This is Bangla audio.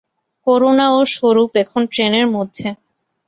করুণা ও স্বরূপ এখন ট্রেনের মধ্যে।